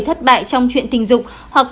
thất bại và không có bản tình hay sống một mình